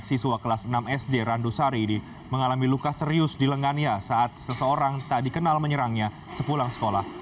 siswa kelas enam sd randusari ini mengalami luka serius di lengannya saat seseorang tak dikenal menyerangnya sepulang sekolah